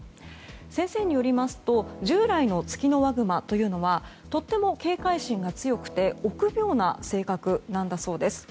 先生によりますと従来のツキノワグマというのはとっても警戒心が強くて臆病な性格なんだそうです。